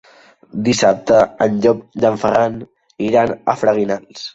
Dissabte en Llop i en Ferran iran a Freginals.